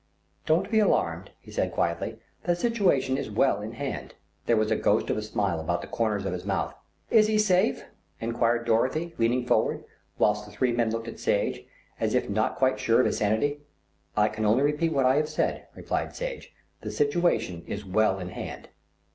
"Don't be alarmed," he said quietly, "the situation is well in hand." There was the ghost of a smile about the corners of his mouth. "Is he safe?" enquired Dorothy, leaning forward, whilst the three men looked at Sage as if not quite sure of his sanity. "I can only repeat what I have said," replied Sage, "the situation is well in hand."